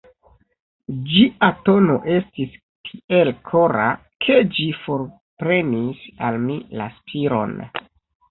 Ĝia tono estis tiel kora, ke ĝi forprenis al mi la spiron.